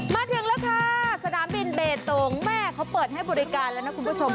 มาถึงแล้วค่ะสนามบินเบตงแม่เขาเปิดให้บริการแล้วนะคุณผู้ชม